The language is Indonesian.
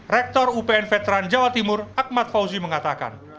rektor upn veteran jawa timur ahmad fauzi mengatakan